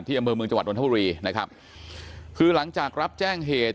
อำเภอเมืองจังหวัดนทบุรีนะครับคือหลังจากรับแจ้งเหตุ